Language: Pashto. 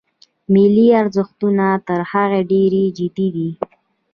ملي ارزښتونه تر هغه ډېر جدي دي.